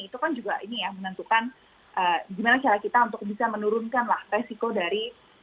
itu kan juga ini ya menentukan gimana cara kita untuk bisa menurunkan resiko dari